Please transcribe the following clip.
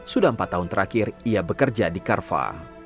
sudah empat tahun terakhir ia bekerja di carva